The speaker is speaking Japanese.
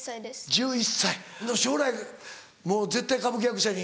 １１歳将来もう絶対歌舞伎役者に？